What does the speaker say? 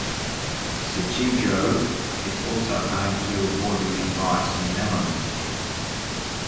Shichijo is also home to award-winning rice and melons.